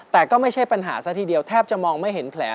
แต่ก็ไม่ใช่ปัญหาซะทีเดียวแทบจะมองไม่เห็นแผล